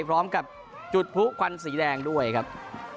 พร้อมกับจุดผู้ควันสีแดงด้วยครับ